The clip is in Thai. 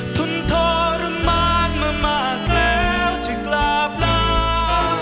ทนทรมานมามากแล้วที่กราบลา